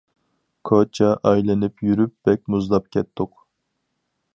كوچا ئايلىنىپ يۈرۈپ بەك مۇزلاپ كەتتۇق.